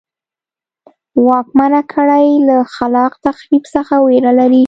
واکمنه کړۍ له خلاق تخریب څخه وېره لري.